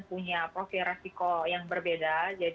profil resiko yang berbeda